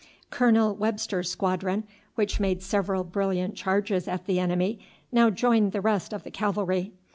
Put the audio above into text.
Colonel Webster's squadron, which made several brilliant charges at the enemy, now joined the rest of the cavalry.